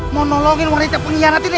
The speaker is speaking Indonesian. mau nolongin wanita pengkhianat ini